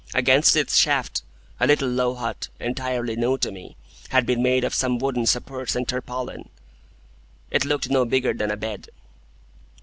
Against its shaft, a little low hut, entirely new to me, had been made of some wooden supports and tarpaulin. It looked no bigger than a bed.